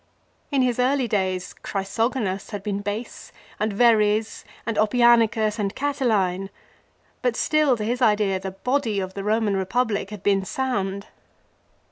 In his early days Chrysogonus had been base, and Verres, and Oppianicus, and Catiline ; but still, to his idea, the body of the Roman Republic had been sound.